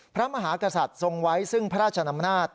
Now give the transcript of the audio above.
พระมหากษัตริย์ทรงไว้ซึ่งพระราชนำนาจ